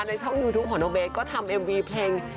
ในช่องยูทูปของน้องเบสก็ทำเอ็มวีเพลง